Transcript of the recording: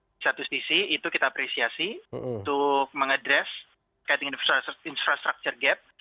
di satu sisi itu kita apresiasi untuk mengadres kait dengan infrastructure gap